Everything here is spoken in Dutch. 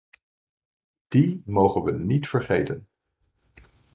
Die mogen we niet vergeten.